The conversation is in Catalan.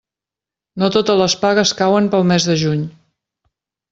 No totes les pagues cauen pel mes de juny.